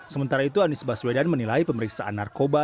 sementara itu anies baswedan menilai pemeriksaan narkoba